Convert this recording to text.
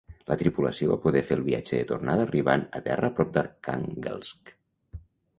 La tripulació va poder fer el viatge de tornada arribant a terra prop d'Arkhànguelsk.